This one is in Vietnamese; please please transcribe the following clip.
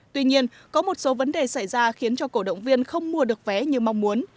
tuy nhiên có một số vấn đề xảy ra khiến cho cổ động viên không mua được vé như mong muốn